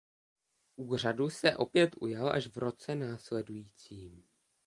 Úřadu se opět ujal až v roce následujícím.